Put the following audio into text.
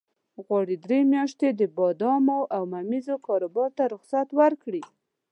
غواړي درې میاشتې د بادامو او ممیزو کاروبار ته رخصت ورکړي.